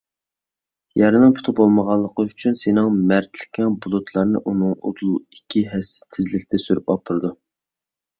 يەرنىڭ پۇتى بولمىغانلىقى ئۈچۈن سېنىڭ مەردلىكىڭ بۇلۇتلارنى ئۇنىڭغا ئۇدۇل ئىككى ھەسسە تېزلىكتە سۈرۈپ ئاپىرىدۇ.